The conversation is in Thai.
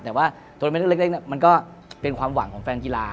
แต่ว่าโทรเมนต์เล็กมันก็เป็นความหวังของแฟนกีฬา